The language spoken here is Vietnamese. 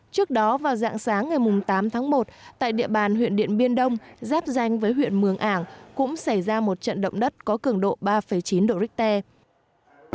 trước đó vào dạng sáng ngày tám tháng một tại địa bàn huyện điện biên đông giáp danh với huyện mường ảng cũng xảy ra một trận động đất có cường độ ba chín độ richter